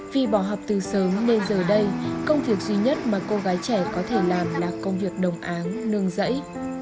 vì bỏ học từ sớm nên giờ đây công việc duy nhất mà cô gái trẻ có thể làm là công việc đồng áng nương dẫy